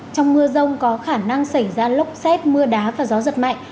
trong mưa rông có khả năng xảy ra lốc xét mưa đá và gió giật mạnh